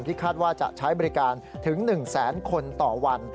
คาดว่าจะใช้บริการถึง๑แสนคนต่อวัน